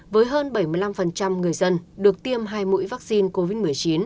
với hơn bảy mươi năm người dân được tiêm hai mũi vaccine covid một mươi chín